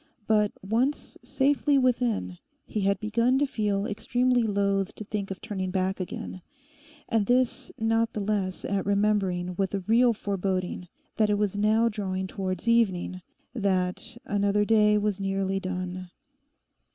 But once safely within he had begun to feel extremely loth to think of turning back again, and this not the less at remembering with a real foreboding that it was now drawing towards evening, that another day was nearly done.